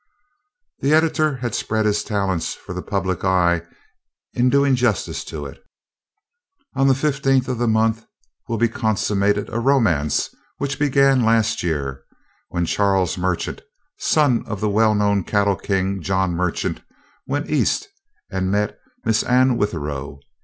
The editor had spread his talents for the public eye in doing justice to it: On the fifteenth of the month will be consummated a romance which began last year, when Charles Merchant, son of the well known cattle king, John Merchant, went East and met Miss Anne Withero.